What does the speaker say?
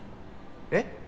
えっ？